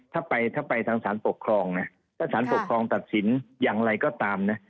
ถ้าไปทางสารปกครองนะถ้าสารปกครองตัดสินอย่างไรก็ตามนะ